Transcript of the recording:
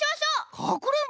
かくれんぼ？